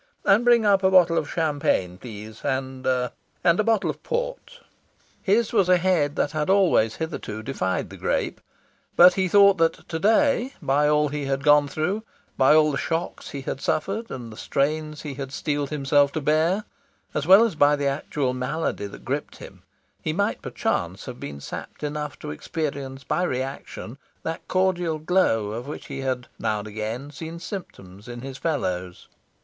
And bring up a bottle of champagne, please; and and a bottle of port." His was a head that had always hitherto defied the grape. But he thought that to day, by all he had gone through, by all the shocks he had suffered, and the strains he had steeled himself to bear, as well as by the actual malady that gripped him, he might perchance have been sapped enough to experience by reaction that cordial glow of which he had now and again seen symptoms in his fellows.